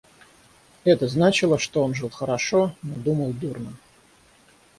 Это значило, что он жил хорошо, но думал дурно.